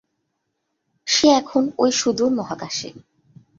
সে এখন ঐ সুদূর মহাকাশে।